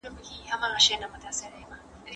مرګ به تا له دردونو وژغوري.